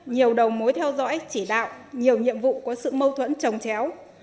nhiều đầu mối theo dõi chỉ đạo nhiều nhiệm vụ có sự mâu thuẫn trồng chéo